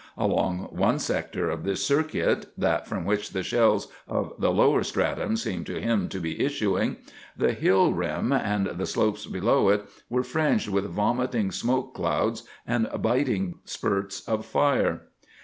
Along one sector of this circuit—that from which the shells of the lower stratum seemed to him to be issuing—the hill rim and the slopes below it were fringed with vomiting smoke clouds and biting spurts of fire.